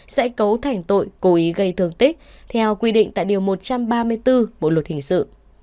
sẽ cấu thành tội cố ý gây thương tích theo quy định tại điều một trăm ba mươi bốn bộ luật hình sự